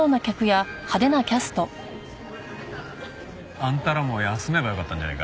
あんたらも休めばよかったんじゃないか？